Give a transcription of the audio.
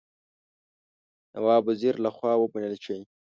نواب وزیر له خوا ومنل شي.